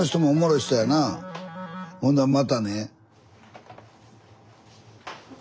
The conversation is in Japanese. ほなまたね。